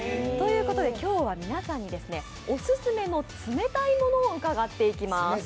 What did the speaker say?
ということで今日は皆さんにオススメの冷たいものを伺っていきます。